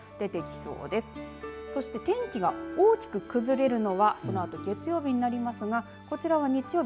そして天気が大きく崩れるのはそのあと月曜日になりますがこちらは日曜日。